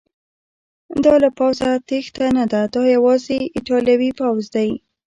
دا له پوځه تیښته نه ده، دا یوازې ایټالوي پوځ دی.